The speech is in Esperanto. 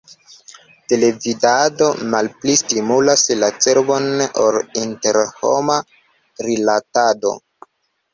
Televidado malpli stimulas la cerbon ol interhoma rilatado!